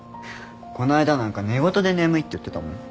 この間なんか寝言で眠いって言ってたもん。